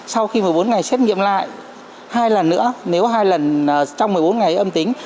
sau khi một mươi bốn ngày xét nghiệm lại hai lần nữa nếu hai lần trong một mươi bốn ngày âm tính